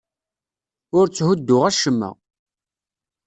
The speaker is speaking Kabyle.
Ur tthudduɣ acemma.